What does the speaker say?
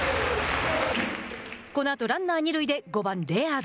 このあとランナー二塁で５番レアード。